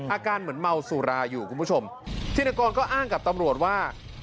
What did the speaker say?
อาการเหมือนเมาสุราอยู่คุณผู้ชมธินกรก็อ้างกับตำรวจว่า